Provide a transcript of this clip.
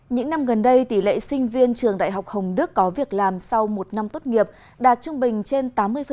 những năm gần đây tỷ lệ sinh viên trường đại học hồng đức có việc làm sau một năm tốt nghiệp đạt trung bình trên tám mươi